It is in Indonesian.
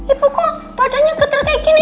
ibu kok badannya ketel kayak gini